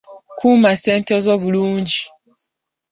Kuuma ssente zo bulungi.